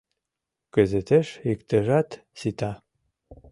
— Кызытеш иктыжат сита.